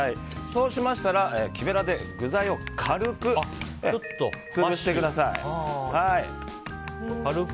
そうしましたら、木べらで具材を軽く潰してください。